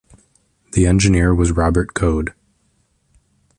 The engineer was Robert Coad.